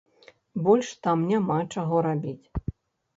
Больш там няма чаго рабіць.